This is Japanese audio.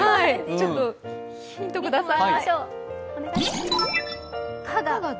ちょっとヒントください。